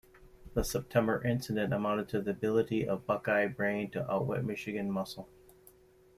The September incident amounted to the ability of Buckeye brain to outwit Michigan muscle.